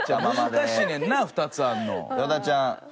難しいねんな２つあんの。